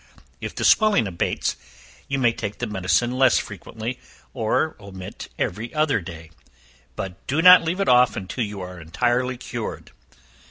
If the swelling abates, you may take the medicine less frequently, or omit every other day, but do not leave it off until you are entirely cured.